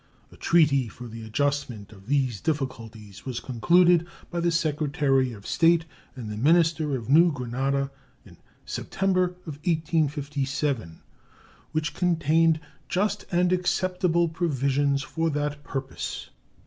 A treaty for the adjustment of these difficulties was concluded by the Secretary of State and the minister of New Granada in September, 1857, which contained just and acceptable provisions for that purpose.